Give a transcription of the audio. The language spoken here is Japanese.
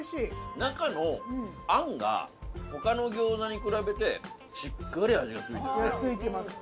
中の餡が他の餃子に比べてしっかり味が付いてるね。